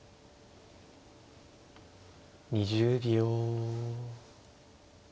２０秒。